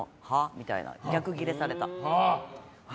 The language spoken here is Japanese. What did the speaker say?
みたいな、逆ギレされた。